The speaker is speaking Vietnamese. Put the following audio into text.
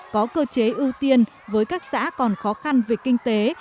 có cơ chế ưu tiên với các xã còn khó khăn về kinh tế